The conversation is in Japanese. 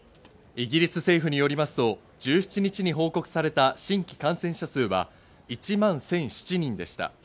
イギリス政府によりますと１７日に報告された新規感染者数は１万１００７人でした。